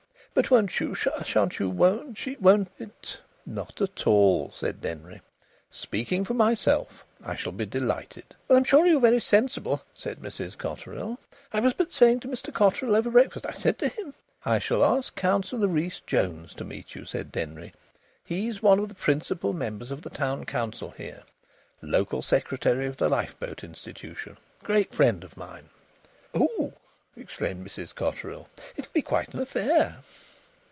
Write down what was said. "But won't you shan't you won't she won't it " "Not at all," said Denry. "Speaking for myself, I shall be delighted." "Well, I'm sure you're very sensible," said Mrs Cotterill. "I was but saying to Mr Cotterill over breakfast I said to him " "I shall ask Councillor Rhys Jones to meet you," said Denry. "He's one of the principal members of the Town Council here; Local Secretary of the Lifeboat Institution. Great friend of mine." "Oh!" exclaimed Mrs Cotterill, "it'll be quite an affair."